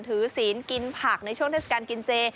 ศีลกินผักในช่วงเทศกาลกินเจ